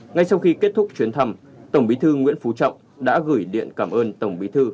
ngay sau khi kết thúc chuyến thăm tổng bí thư nguyễn phú trọng đã gửi điện cảm ơn tổng bí thư